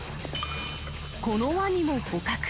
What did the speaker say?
このワニも捕獲。